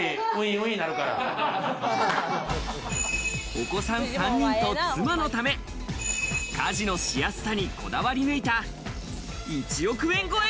お子さん３人と妻のため、家事のしやすさにこだわり抜いた１億円超え